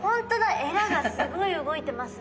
えらがすごい動いてますね。